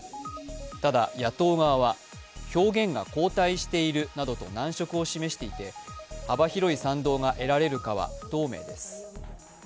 ただ野党側は、表現が後退しているなどと難色を示していて幅広い賛同が得られるかは不透明です。